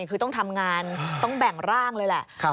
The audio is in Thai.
คือต้องทำงานต้องแบ่งร่างเลยแหละ